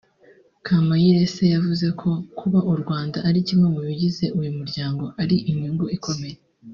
Kamayirese yavuze ko kuba u Rwanda ari kimwe mu bigize uyu muryango ari inyungu ikomeye